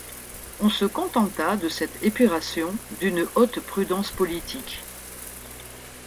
On se contenta de cette épuration, d’une haute prudence politique.